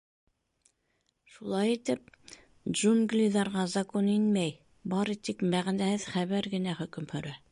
Шулай итеп, джунглиҙарға Закон инмәй, бары тик мәғәнәһеҙ хәбәр генә хөкөм һөрә.